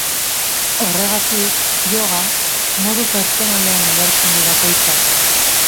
Horregatik, yoga modu pertsonalean ulertzen du bakoitzak.